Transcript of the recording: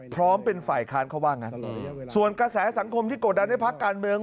พร้อมเป็นฝ่ายค้านเขาว่างั้นส่วนกระแสสังคมที่กดดันให้พักการเมือง